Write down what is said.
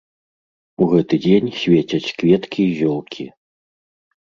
У гэты дзень свяцяць кветкі і зёлкі.